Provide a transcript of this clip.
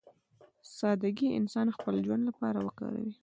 سادهګي انسان خپل ژوند لپاره وکاروي.